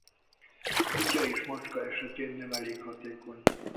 Kutya és macska esetén nem elég hatékony.